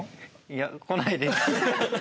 いや来ないです。